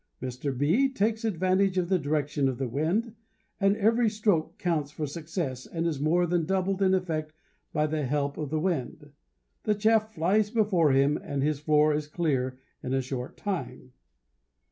Mr. B takes advantage of the direction of the wind, and every stroke counts for success and is more than doubled in effect by the help of the wind. The chaff flies before him and his floor is clear in a short time.